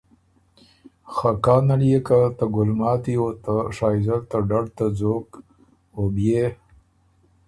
خه کانه ليې که ته ګلماتي او ته شائزل ته ډډ ته ځوک او بيې